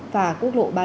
và quốc lộ ba mươi chín